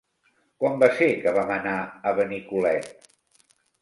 Quan va ser que vam anar a Benicolet?